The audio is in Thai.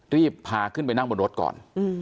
รีบพาขึ้นไปนั่งบนรถก่อน